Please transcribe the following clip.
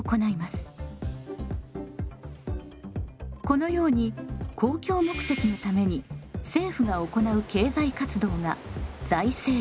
このように公共目的のために政府が行う経済活動が財政です。